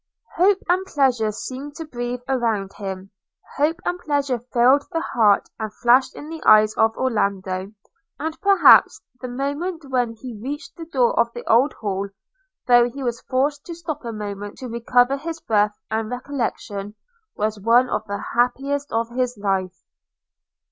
Hope and pleasure seemed to breathe around him – Hope and pleasure filled the heart and flashed in the eyes of Orlando; and perhaps the moment when he reached the door of the old Hall, though he was forced to stop a moment to recover his breath and recollection, was one of the happiest of his life.